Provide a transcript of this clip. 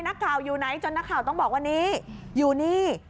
นักข่าวอยู่ไหนจนนักข่าวต้องบอกว่านี้อยู่นี่